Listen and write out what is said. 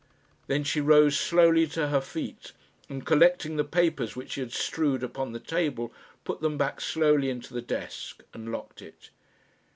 Then she rose slowly to her feet, and, collecting the papers which he had strewed upon the table, put them back slowly into the desk, and locked it.